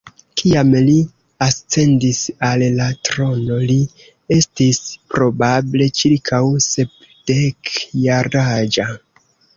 Kiam li ascendis al la trono, li estis probable ĉirkaŭ sepdek-jaraĝa.